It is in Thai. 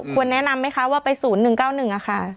ควรแนะนำไหมคะว่าไปศูนย์หนึ่งเก้าหนึ่งอะค่ะ